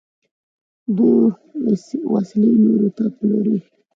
دوی وسلې نورو ته پلوري.